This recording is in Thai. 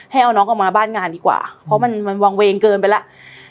ให้เอาน้องออกมาบ้านงานดีกว่าเพราะมันวางเวงเกินไปแล้ว